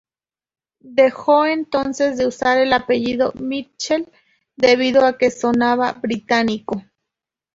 Dejó entonces de usar el apellido "Mitchel", debido a que sonaba británico.